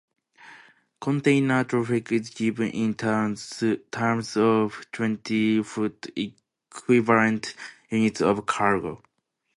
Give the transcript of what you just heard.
Container traffic is given in terms of Twenty-foot equivalent units of cargo.